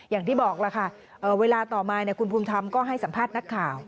อย่างที่บอกล่ะค่ะเวลาต่อมาคุณภูมิธรรมก็ให้สัมภาษณ์นักข่าว